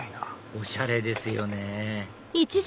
おしゃれですよね